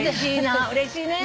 うれしいな。